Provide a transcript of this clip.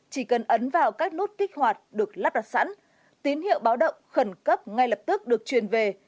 chỉ cần ấn vào các nút kích hoạt được lắp đặt sẵn tín hiệu báo động khẩn cấp ngay lập tức được truyền về